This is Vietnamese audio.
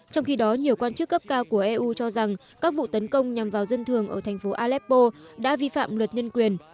trong khi đó nhiều quan chức cấp cao của eu cho rằng các vụ tấn công nhằm vào dân thường ở thành phố aleppo đã vi phạm luật nhân quyền